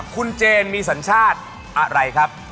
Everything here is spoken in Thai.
คุณเจนมีสัญชาติอะไรครับ